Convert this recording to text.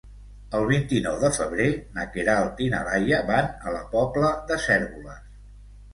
El vint-i-nou de febrer na Queralt i na Laia van a la Pobla de Cérvoles.